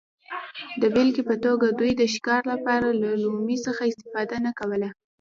د بېلګې په توګه دوی د ښکار لپاره له لومې څخه استفاده نه کوله